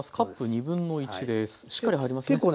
しっかり入りますね。